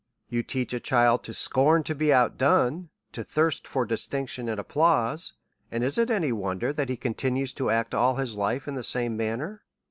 You teach a child to scorn to be out done, to thirst for distinction and applause; and is it any wonder that he continues to act all his life in the same manner?